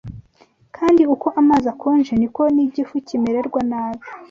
kandi uko amazi akonje, ni ko n’igifu kimererwa nabi